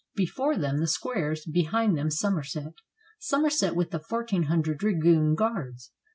Before them, the squares, behind them Somerset; Somerset with the fourteen hundred dragoon guards.